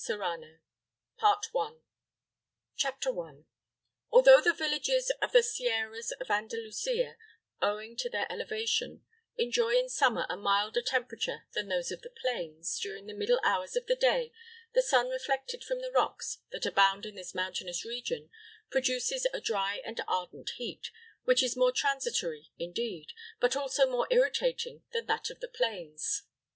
Serrano. BREAD CAST UPON THE WATERS CHAPTER I. Although the villages of the sierras of Andalusia, owing to their elevation, enjoy in summer a milder temperature than those of the plains, during the middle hours of the day the sun reflected from the rocks that abound in this mountainous region, produces a dry and ardent heat, which is more transitory, indeed, but also more irritating than that of the plains.